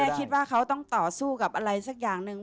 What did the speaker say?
คิดว่าเขาต้องต่อสู้กับอะไรสักอย่างหนึ่ง